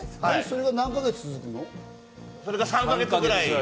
それが何か月続くの？